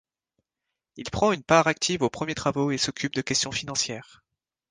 Il prend une part active aux premiers travaux et s'occupe de questions financières.